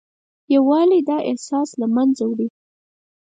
یووالی دا احساس له منځه وړي.